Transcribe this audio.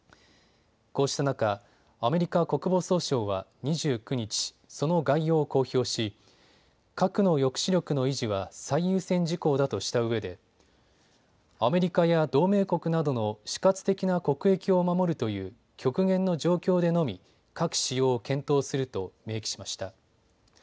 こうした中、アメリカ国防総省は２９日、その概要を公表し核の抑止力の維持は最優先事項だとしたうえでアメリカや同盟国などの死活的な国益を守るという極限の状況でのみ核使用を検討すると明記しました。